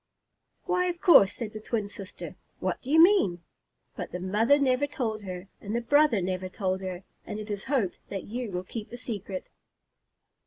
"Why, of course," said the twin sister. "What do you mean?" But the mother never told her, and the brother never told her, and it is hoped that you will keep the secret.